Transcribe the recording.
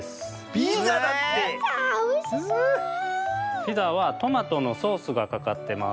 ピザはトマトのソースがかかってます。